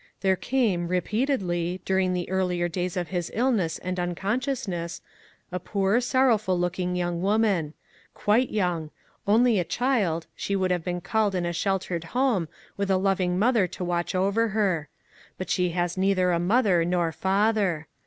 There came, repeatedly, during the earlier days of his illness and unconsciousness, a poor, sorrowful looking young woman; quite young — only a child, she would have been called in a sheltered home, with a loving mother to watch over her; but she has neither mother nor father.